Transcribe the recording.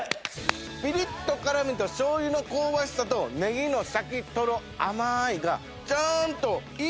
ピリッと辛みと醤油の香ばしさとネギのシャキトロ甘いがちゃんと色々立ってきますね。